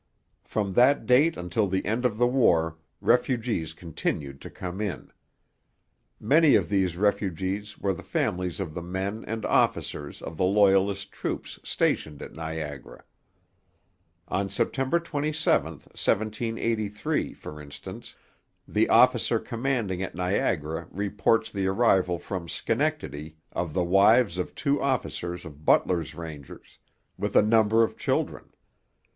From that date until the end of the war refugees continued to come in. Many of these refugees were the families of the men and officers of the Loyalist troops stationed at Niagara. On September 27, 1783, for instance, the officer commanding at Niagara reports the arrival from Schenectady of the wives of two officers of Butler's Rangers, with a number of children.